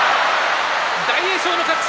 大栄翔の勝ち。